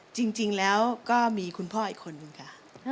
จริงแล้วก็มีคุณพ่ออีกคนนึงค่ะ